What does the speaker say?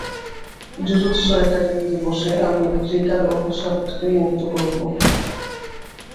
Jujutsu একাডেমীতে বসে, আমি রিকার অভিশাপকে মুক্ত করবো।